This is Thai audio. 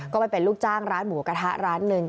ก็ไปเป็นลูกจ้างร้านหมูกระทะร้านหนึ่ง